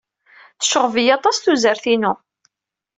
Tecɣeb-iyi aṭas tuzert-inu.